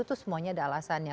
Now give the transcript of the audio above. itu semuanya ada alasannya